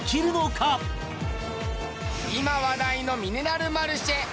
今話題のミネラルマルシェ